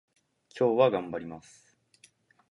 今日は頑張ります